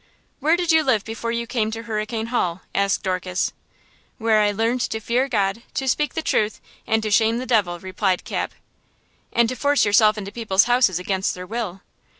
"Where did you live before you came to Hurricane Hall?" asked Dorcas. "Where I learned to fear God, to speak the truth and to shame the devil!" replied Cap. –"And to force yourself into people's houses against their will!"